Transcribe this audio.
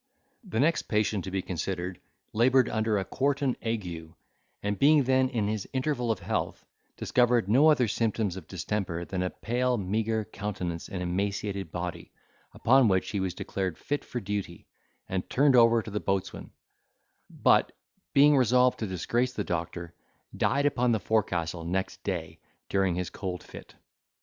The next patient to be considered, laboured under a quartan ague, and, being then in his interval of health, discovered no other symptoms of distemper than a pale meagre countenance and emaciated body; upon which he was declared fit for duty, and turned over to the boatswain; but, being resolved to disgrace the doctor, died upon the forecastle next day, during his cold fit.